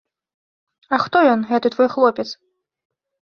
А хто ён, гэты твой хлопец?